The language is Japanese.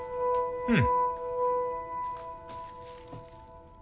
うん。